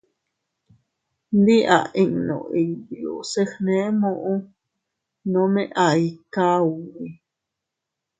Ndi a innu iyuu se gne muʼu, nome a ikaa ubi.